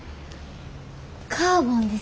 カーボンですね。